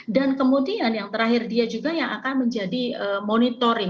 dan kemudian yang terakhir dia juga yang akan menjadi monitoring